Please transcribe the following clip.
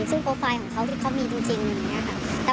ซึ่งโปรไฟล์ของเขาที่เขามีจริงอย่างนี้ค่ะ